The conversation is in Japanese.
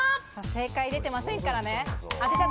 正解、出てませんからね。